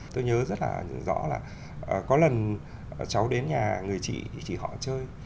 tôi nhớ rất là rõ là có lần cháu đến nhà người chị chị họ chơi